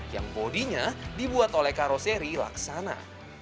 yang bodinya dibuat oleh karoseri laksana